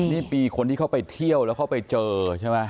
นี่มีคนที่เขาไปเที่ยวแล้วเขาไปเจอใช่ไหม